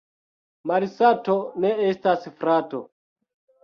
Malsato ne estas frato.